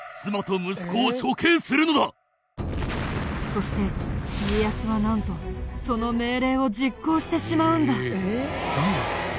そして家康はなんとその命令を実行してしまうんだ。